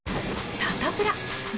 サタプラ。